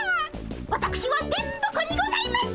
わたくしは電ボ子にございます！